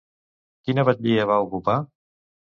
Quina batllia va ocupar?